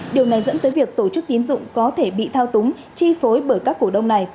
điều này dẫn tới việc tổ chức tín dụng có thể bị thao túng chi phối bởi các cổ đông này